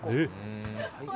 最高！